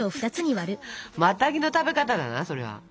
マタギの食べ方だなそれは。